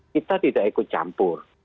kita tidak ikut campur